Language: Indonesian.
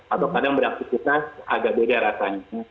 atau kadang beraktivitas agak beda rasanya